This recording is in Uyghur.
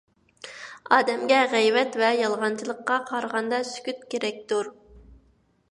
ئادەمگە غەيۋەت ۋە يالغانچىلىققا قارىغاندا، سۈكۈت كېرەكتۇر.